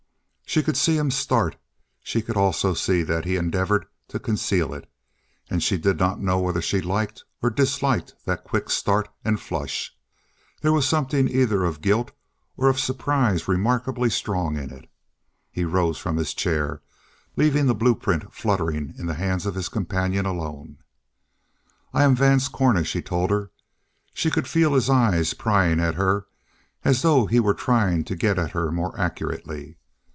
She could see him start. She could also see that he endeavored to conceal it. And she did not know whether she liked or disliked that quick start and flush. There was something either of guilt or of surprise remarkably strong in it. He rose from his chair, leaving the blueprint fluttering in the hands of his companion alone. "I am Vance Cornish," he told her. She could feel his eyes prying at her as though he were trying to get at her more accurately.